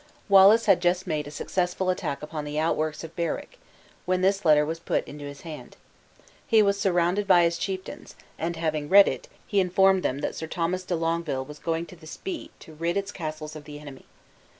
Wallace had just made a successful attack upon the outworks of Berwick, when this letter was put into his hand. He was surrounded by his chieftains; and having read it, he informed them that Sir Thomas de Longueville was going to the Spey to rid its castles of the enemy.